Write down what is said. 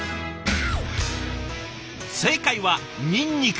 正解はニンニク。